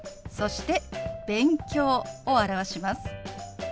そして「勉強」を表します。